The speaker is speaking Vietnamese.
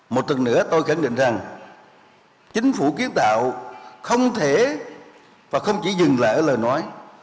một tuần nữa tôi khẳng định rằng chính phủ kiến tạo không thể và không chỉ dừng lại ở lời nói